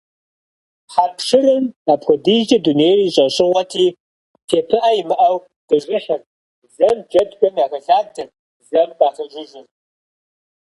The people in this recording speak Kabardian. Хьэпшырым апхуэдизкӏэ дунейр и щӏэщыгъуэти, тепыӏэ имыӏэу къижыхьырт, зэм джэдхэм яхэлъадэрт, зэм къахэжыжырт.